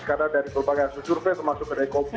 karena dari pelbagai asurve termasuk dari kopi